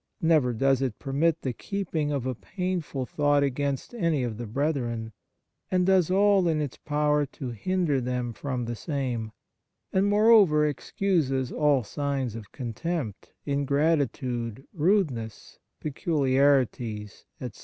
Never does it permit the keeping of a painful thought against any of the brethren, and does all in its power to hinder them from the same ; and, moreover, excuses all signs of contempt, ingratitude, rudeness, peculiarities, etc.